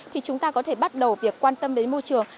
thì chúng ta có thể bắt đầu việc quan tâm đến môi trường